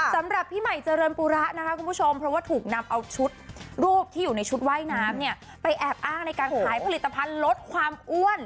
สำหรับพี่ใหม่เจริญปูระนะคะคุณผู้ชมเพราะว่าถูกนำเอาชุดรูปที่อยู่ในชุดว่ายน้ำเนี่ยไปแอบอ้างในการขายผลิตภัณฑ์ลดความอ้วน